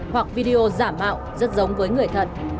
hoặc video giả mạo rất giống với người thật